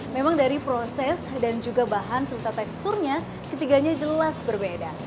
memang dari proses dan juga bahan serta teksturnya ketiganya jelas berbeda